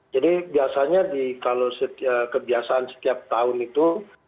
jadi biasanya kalau kebiasaan setiap tahun itu